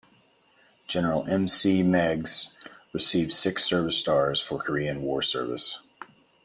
"General M. C. Meigs" received six service stars for Korean War service.